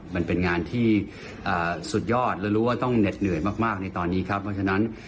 มันเป็นงานที่สุดยอดและรู้ว่าต้องเหน็ดเหนื่อยมากในตอนนี้ครับเพราะฉะนั้น